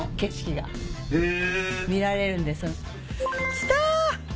来た！